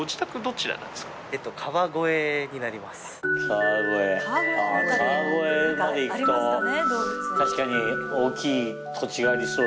川越川越まで行くと確かに大きい土地がありそう。